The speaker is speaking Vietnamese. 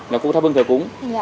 là khu tháp ương thời cúng